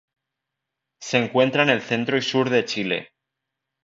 Se encuentra en el centro y sur de Chile.